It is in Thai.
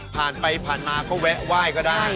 ผ่านไปผ่านมาเขาแวะว่ายก็ได้ครับ